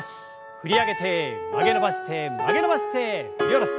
振り上げて曲げ伸ばして曲げ伸ばして振り下ろす。